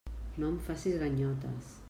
No em facis ganyotes.